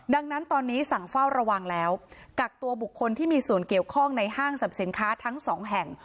ดังนั้นตอนนี้สั่งเฝ้าระวังแล้วกักตัวบุคคลที่มีส่วนเกี่ยวข้องในห้างสรรพสินค้าทั้งสองแห่ง